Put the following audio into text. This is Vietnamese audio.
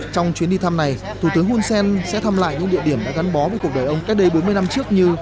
trong chuyến đi thăm này thủ tướng hun sen sẽ thăm lại những địa điểm đã gắn bó với cuộc đời ông cách đây bốn mươi năm trước như